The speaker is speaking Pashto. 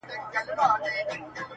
په دې وروستیو ورځو کي مي -